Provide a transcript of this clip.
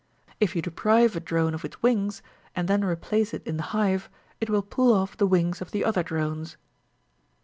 If you deprive a drone of its wings, and then replace it in the hive, it will pull off the wings of the other drones.